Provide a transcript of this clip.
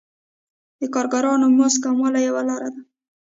د کارګرانو د مزد کموالی یوه لاره ده